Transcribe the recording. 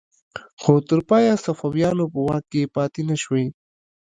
خو تر پایه صفویانو په واک کې پاتې نشوې.